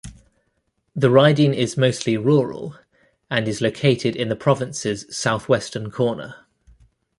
The riding is mostly rural, and is located in the province's southwestern corner.